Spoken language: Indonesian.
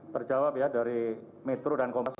terjawab ya dari metro dan kompas